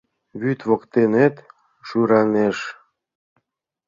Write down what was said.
Вӱд воктенет шӱраҥеш.